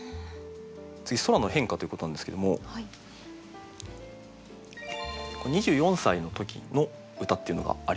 次「空」の変化ということなんですけれども２４歳の時の歌っていうのがあります。